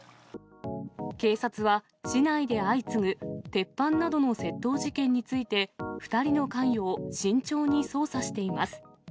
警察は市内で相次ぐ鉄板などの窃盗事件について、２人の関与を慎重に捜査しています。